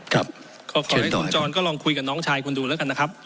ขอให้คุณจรก็ลองคุยกับน้องชายคุณดูแล้วกันนะครับ